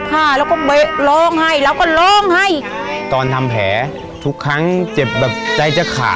และเราก็ไปลองให้เราก็ล้องให้ตอนทำแผลถึงครั้งเจ็บตัวใจจะฉ่า